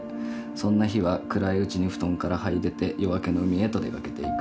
そんな日は暗いうちに布団から這い出て夜明けの海へと出掛けていく。